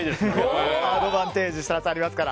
アドバンテージがありますから。